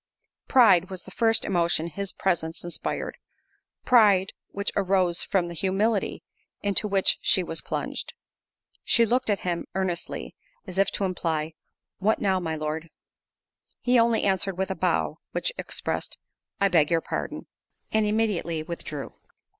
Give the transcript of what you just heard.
Pride, was the first emotion his presence inspired—pride, which arose from the humility into which she was plunged. She looked at him earnestly, as if to imply, "What now, my Lord?" He only answered with a bow, which expressed; "I beg your pardon." And immediately withdrew.